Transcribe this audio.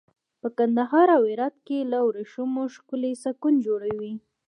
په کندهار او هرات کې له وریښمو ښکلي سکوي جوړوي.